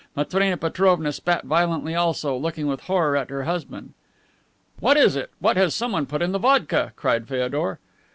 Matrena Petrovna spat violently also, looking with horror at her husband. "What is it? What has someone put in the vodka?" cried Feodor.